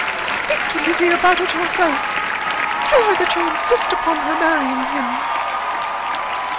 "Speak to Lizzy about it yourself. Tell her that you insist upon her marrying him."